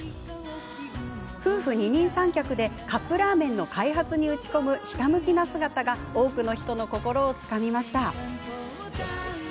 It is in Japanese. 夫婦二人三脚でカップラーメンの開発に打ち込む、ひたむきな姿が多くの人の心をつかみました。